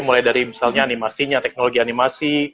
mulai dari misalnya animasinya teknologi animasi